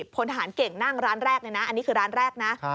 พลทหารเก่งนั่งร้านแรกเลยนะอันนี้คือร้านแรกนะ